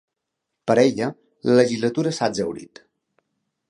Per ella, la legislatura s’ha exhaurit.